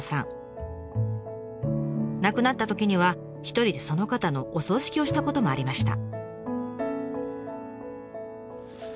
亡くなったときには一人でその方のお葬式をしたこともありました。